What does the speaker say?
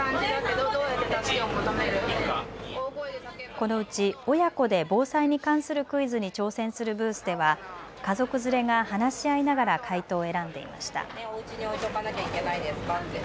このうち親子で防災に関するクイズに挑戦するブースでは家族連れが話し合いながら回答を選んでいました。